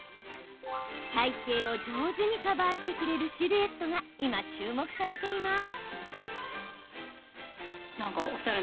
体形を上手にカバーしてくれるシルエットが今、注目されています。